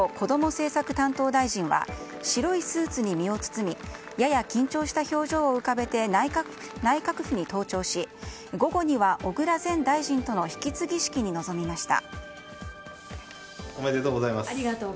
政策担当大臣は白いスーツに身を包みやや緊張した表情を浮かべて内閣府に登庁し午後には小倉前大臣との引き継ぎ式に臨みました。